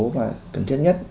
và cần thiết nhất